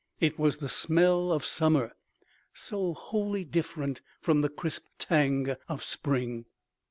It was the smell of summer, so wholly different from the crisp tang of spring.